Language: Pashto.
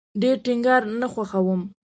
ډیر ټینګار نه خوښوم